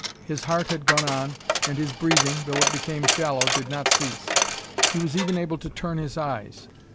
His heart had gone on, and his breathing, though it became shallow, did not cease; he was even able to turn his eyes.